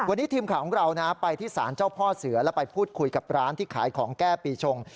วันนี้ทีมข่าวของเรานะไปที่ศาลเจ้าพ่อเสือแล้วไปพูดคุยกับร้านที่ขายของแก้ปีชง